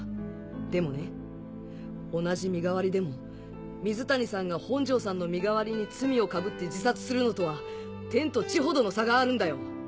でもね同じ身代わりでも水谷さんが本上さんの身代わりに罪をかぶって自殺するのとは天と地ほどの差があるんだよ。